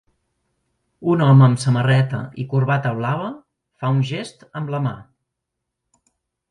Un home amb samarreta i corbata blava fa un gest amb la mà